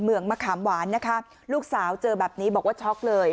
เมืองมะขามหวานนะคะลูกสาวเจอแบบนี้บอกว่าช็อกเลย